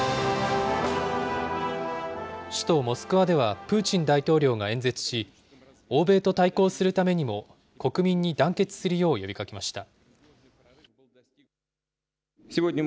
首都モスクワではプーチン大統領が演説し、欧米と対抗するためにも、国民に団結するよう呼びかけました。